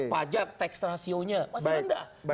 pajak tax ratio nya masa tidak